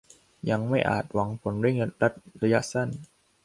ยังไม่อาจหวังผลเร่งรัดระยะสั้น